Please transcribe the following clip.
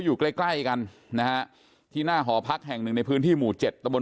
อยู่ใกล้ใกล้กันนะฮะที่หน้าหอพักแห่งหนึ่งในพื้นที่หมู่เจ็ดตะบน